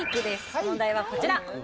問題はこちら。